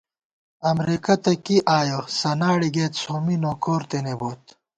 امرېکہ تہ کی آیَہ سناڑے گئیت سومّی نوکور تېنےبوت